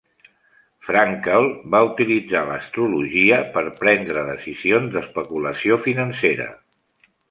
Frankel va utilitzar l'astrologia per prendre decisions d'especulació financera.